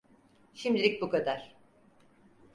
Şimdilik bu kadar.